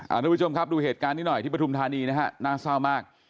ทุกผู้ชมครับดูเหตุการณ์นี้หน่อยที่ปฐุมธานีนะฮะน่าเศร้ามาก